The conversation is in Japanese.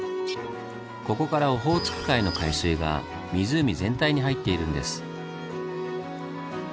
ここからオホーツク海の海水が湖全体に入っているんです。